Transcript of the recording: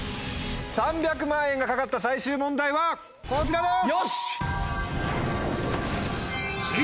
３００万円が懸かった最終問題はこちらです！